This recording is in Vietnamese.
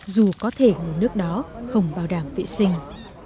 dù có thể nguồn nước đó không bảo đảm vệ sinh